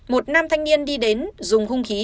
một nam thanh niên đi đến dùng hung khí